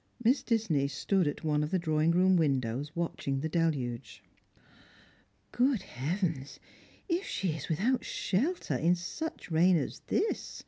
Miss Disney stood at one of the drawing room windows watching the deluge. " Good heavens, if she is without shelter in such rain as this